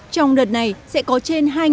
trong đợt này sẽ có trường hợp